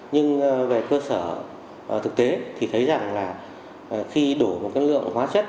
nhưng về cơ sở thực tế thì thấy rằng là khi đổ một cái lượng hóa chất